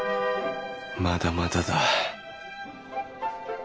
まだまだだ。